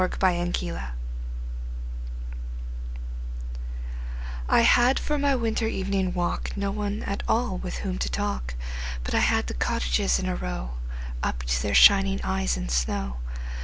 Good Hours I HAD for my winter evening walk No one at all with whom to talk, But I had the cottages in a row Up to their shining eyes in snow.